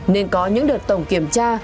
nên có những đợt tổng kiểm tra